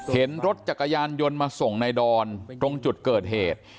เห็นรถจักรยานยนต์มาส่งในดอนตรงจุดเกิดเหตุ